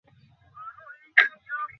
এরা তো দেখি সব রামপাঠা!